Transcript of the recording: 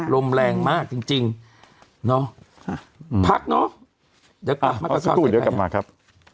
ลมแรงมากจริงจริงเนอะฮะพักเนอะเดี๋ยวกับก่อนเอาสู้เดี๋ยวกลับมาครับ